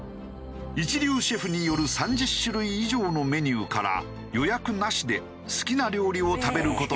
一流シェフによる３０種類以上のメニューから予約なしで好きな料理を食べる事ができる。